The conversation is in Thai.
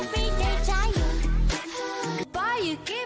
เซ็กซี่จริงเลยอ่ะ